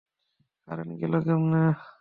Current গেলো কেমনে?